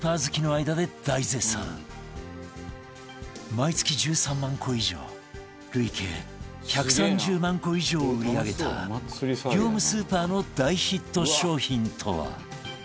毎月１３万個以上累計１３０万個以上を売り上げた業務スーパーの大ヒット商品とは？